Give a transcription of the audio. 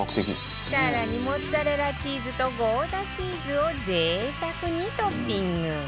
更にモッツァレラチーズとゴーダチーズを贅沢にトッピング